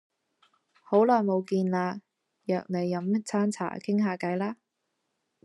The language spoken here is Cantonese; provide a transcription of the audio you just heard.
好耐冇見喇約你飲餐茶傾下計啦